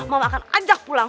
mama akan ajak pulang